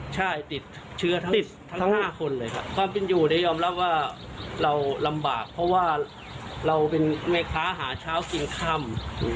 ใช่ติดเชื้อทั้งติดทั้ง๕คนเลยครับความเป็นอยู่เนี่ยยอมรับว่าเราลำบากเพราะว่าเราเป็นแม่ค้าหาเช้ากินค่ำ